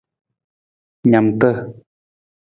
Naamta.